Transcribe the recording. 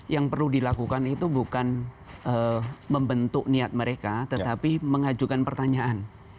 yang perlu dilakukan itu bukan membentuk niat mereka tetapi mengajukan pertanyaan